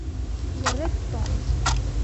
Yerra-d Tom.